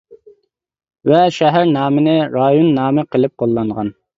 ۋە شەھەر نامىنى رايون نامى قىلىپ قوللانغان.